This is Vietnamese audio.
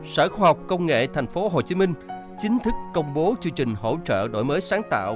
sở khoa học công nghệ tp hcm chính thức công bố chương trình hỗ trợ đổi mới sáng tạo